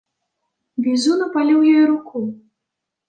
Бізун апаліў ёй руку.